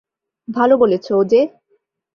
ভালো বলেছ, ওজে।